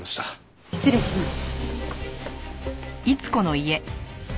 失礼します。